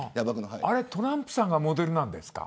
あれ、トランプさんがモデルなんですか。